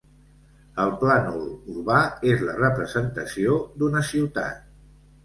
El plànol urbà és la representació d'una ciutat.